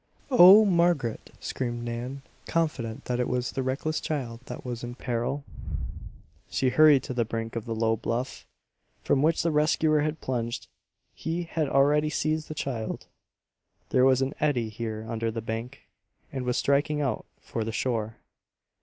"Oh, Margaret!" screamed Nan, confident that it was the reckless child that was in peril. She hurried to the brink of the low bluff, from which the rescuer had plunged. He had already seized the child (there was an eddy here under the bank) and was striking out for the shore.